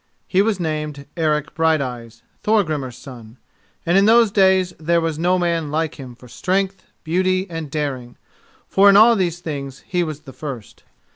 He was named Eric Brighteyes, Thorgrimur's son, and in those days there was no man like him for strength, beauty and daring, for in all these things he was the first.